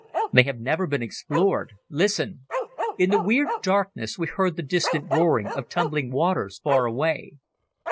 They have never been explored. Listen!" In the weird darkness we heard the distant roaring of tumbling waters far away.